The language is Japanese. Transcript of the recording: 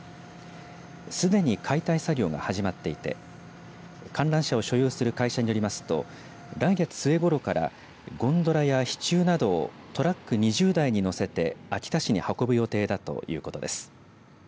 すでに解体作業が始まっていて観覧車を所有する会社によりますと来月末ごろからゴンドラや支柱などをトラック２０台に載せて秋田市に運ぶ予定だということです。